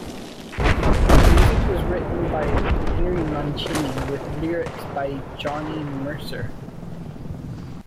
The music was written by Henry Mancini with lyrics by Johnny Mercer.